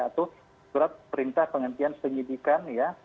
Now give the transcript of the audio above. atau surat perintah penghentian penyidikan ya